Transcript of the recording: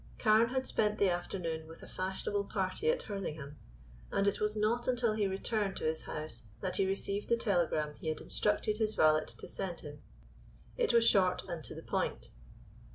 Carne had spent the afternoon with a fashionable party at Hurlingham, and it was not until he returned to his house that he received the telegram he had instructed his valet to send him. It was short, and to the point.